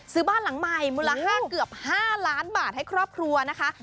ซื้อบ้านหลังใหม่มูลค่าเกือบ๕ล้านบาทให้ครอบครัวนะคะ